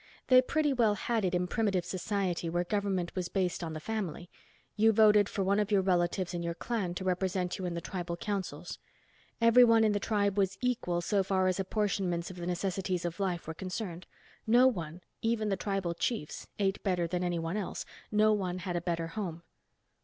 They pretty well had it in primitive society where government was based on the family. You voted for one of your relatives in your clan to represent you in the tribal councils. Every one in the tribe was equal so far as apportionments of the necessities of life were concerned. No one, even the tribal chiefs, ate better than anyone else, no one had a better home."